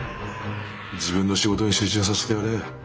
自分の仕事に集中させてやれ。